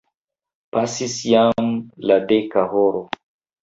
Pasis jam la deka horo.